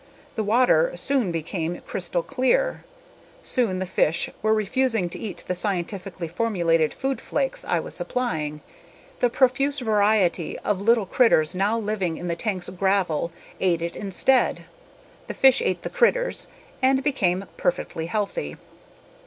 The water soon became crystal clear. Soon the fish were refusing to eat the scientifically formulated food flakes I was supplying. The profuse variety of little critters now living in the tank's gravel ate it instead. The fish ate the critters and became perfectly healthy.